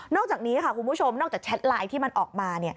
อกจากนี้ค่ะคุณผู้ชมนอกจากแชทไลน์ที่มันออกมา